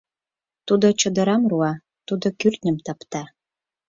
Тудо чодырам руа, тудо кӱртньым тапта